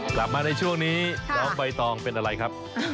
กลับมาในช่วงนี้น้องใบตองเป็นอะไรครับ